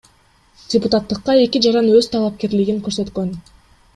Депутаттыкка эки жаран өз талапкерлигин көрсөткөн.